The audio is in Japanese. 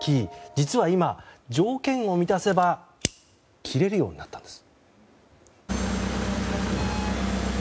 実は今、条件を満たせば切れるようになったんです。